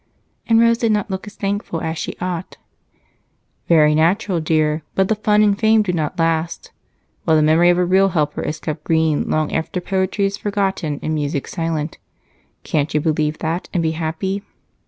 And Rose did not look as thankful as she ought. "Very natural, dear, but the fun and the fame do not last, while the memory of a real helper is kept green long after poetry is forgotten and music silent. Can't you believe that, and be happy?"